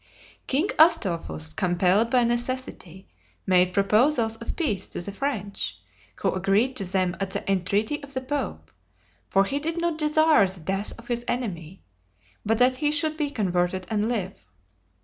King Astolphus, compelled by necessity, made proposals of peace to the French, who agreed to them at the entreaty of the pope for he did not desire the death of his enemy, but that he should be converted and live.